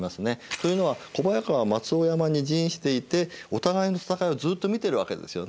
というのは小早川は松尾山に陣していてお互いの戦いをずっと見てるわけですよね。